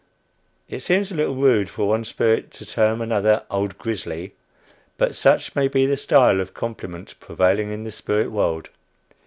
It seems a little rude for one "spirit" to term another "Old Grisly;" but such may be the style of compliment prevailing in the spirit world.